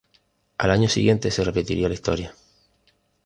Al año siguiente se repetiría la historia.